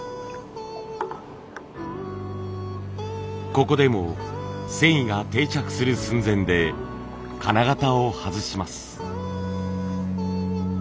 ここでも繊維が定着する寸前で金型を外します。